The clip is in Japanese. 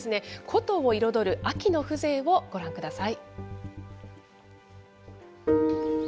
今週は古都を彩る秋の風情をご覧ください。